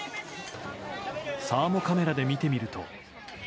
サーモカメラで見てみると。